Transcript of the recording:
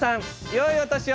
よいお年を！